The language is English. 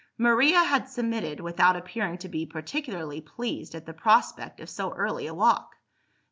Maria had submitted, without appearing to be particularly pleased at the prospect of so early a walk.